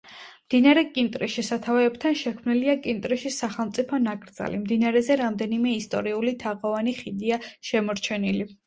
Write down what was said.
მდინარე კინტრიშის სათავეებთან შექმნილია კინტრიშის სახელმწიფო ნაკრძალი, მდინარეზე რამდენიმე ისტორიული თაღოვანი ხიდია შემორჩენილი.